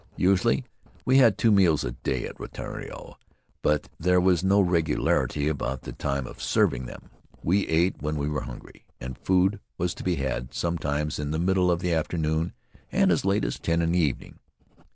Usually we had two meals a day at Rutiaro, but there was no regularity about the time of serving them. We ate when we were hungry and food was to be had, some times in the middle of the afternoon, and as late as ten in the evening.